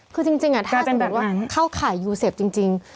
คือจริงอ่ะหากเถอะเข้าข่ายยูเซฟจริง